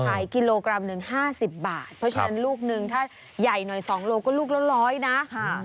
ขายกิโลกรัมหนึ่ง๕๐บาทเพราะฉะนั้นลูกนึงถ้าใหญ่หน่อย๒โลก็ลูกละ๑๐๐นะ